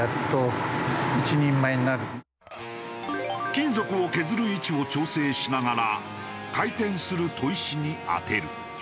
金属を削る位置を調整しながら回転する砥石に当てる。